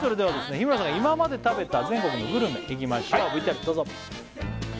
日村さんが今まで食べた全国のグルメいきましょうＶＴＲどうぞ！